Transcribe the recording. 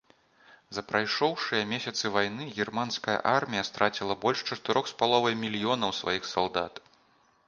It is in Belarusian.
За прайшоўшыя месяцы вайны германская армія страціла больш чатырох з палавінай мільёнаў сваіх салдат.